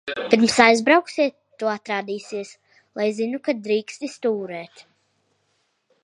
Pirms aizbrauksiet, tu atrādīsies, lai zinu, ka drīksti stūrēt.